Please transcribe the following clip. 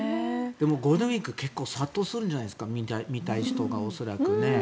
でもゴールデンウィーク結構、殺到するんじゃないですか見たい人が。